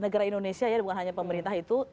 negara indonesia ya bukan hanya pemerintah itu